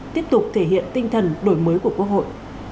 tiếp tục thể hiện tinh thần đổi mới của quốc hội